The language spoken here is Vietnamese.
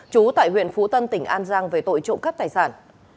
trú tại huyện phú tân tỉnh an giang về tội trộm cắp tài sản